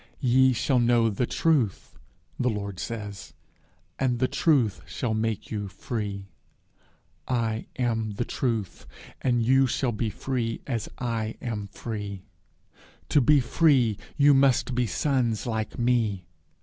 'Ye shall know the truth,' the Lord says, 'and the truth shall make you free. I am the truth, and you shall be free as I am free. To be free, you must be sons like me.